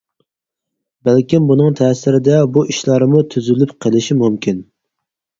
بەلكىم، بۇنىڭ تەسىرىدە بۇ ئىشلارمۇ تۈزۈلۈپ قېلىشى مۇمكىن.